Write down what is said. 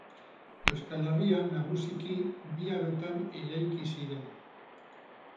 Euskal Herrian nagusiki bi arotan eraiki ziren.